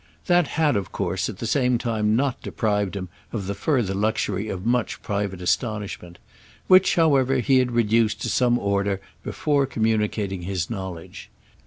That had of course at the same time not deprived him of the further luxury of much private astonishment; which however he had reduced to some order before communicating his knowledge.